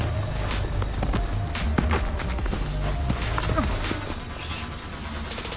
あっ！